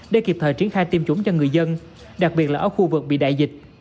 để kịp thời triển khai tiêm chủng cho người dân đặc biệt là ở khu vực bị đại dịch